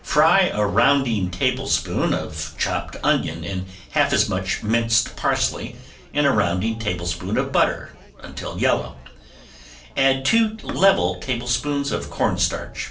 Fry a rounding tablespoon of chopped onion and half as much minced parsley in a rounding tablespoon of butter until yellow, add two level tablespoons of cornstarch.